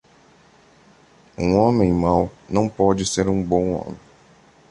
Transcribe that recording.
Um homem mau não pode ser um bom homem.